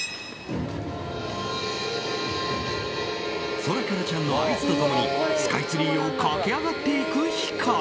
ソラカラちゃんの合図と共にスカイツリーを駆け上がっていく光。